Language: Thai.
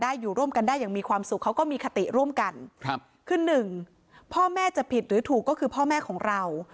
อยู่ร่วมกันได้อย่างมีความสุขเขาก็มีคติร่วมกันครับคือหนึ่งพ่อแม่จะผิดหรือถูกก็คือพ่อแม่ของเรา